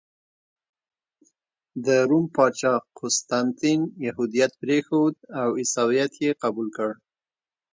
د روم پاچا قسطنطین یهودیت پرېښود او عیسویت یې قبول کړ.